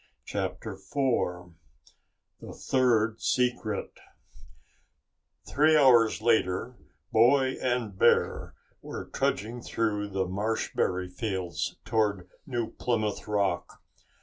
CHAPTER FOUR The Third Secret Three hours later, boy and bear were trudging through the marshberry fields toward New Plymouth Rock.